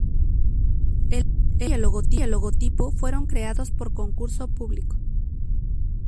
El nombre y el logotipo fueron creados por concurso público.